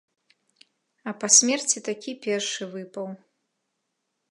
А па смерці такі першы выпаў.